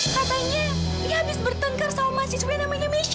katanya dia habis bertengkar sama si suami namanya mesya